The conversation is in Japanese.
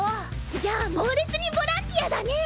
じゃあ猛烈にボランティアだね。